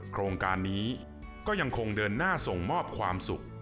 โครงการนี้ก็ยังคงเดินหน้าส่งมอบความสุข